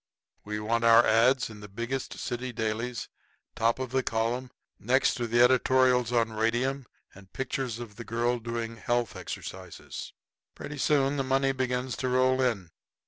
We want our ads. in the biggest city dailies, top of column, next to editorials on radium and pictures of the girl doing health exercises." Pretty soon the money begins to roll in.